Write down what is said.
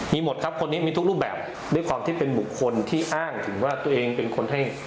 มีหมดครับคนนี้มีทุกรูปแบบด้วยความที่เป็นบุคคลที่อ้างถึงว่าตัวเองเป็นคนให้